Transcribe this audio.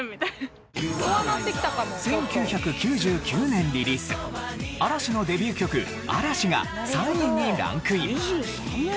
１９９９年リリース嵐のデビュー曲『Ａ・ＲＡ・ＳＨＩ』が３位にランクイン。